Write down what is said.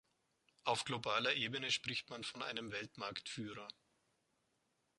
Auf globaler Ebene spricht man von einem Weltmarktführer.